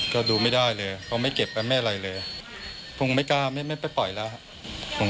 ก็ดูไม่ได้เลยเขาไม่เก็บกันไม่อะไรเลยผมก็ไม่กล้าไม่ไปปล่อยแล้วครับ